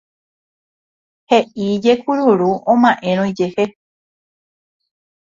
he'íje kururu oma'érõ ijehe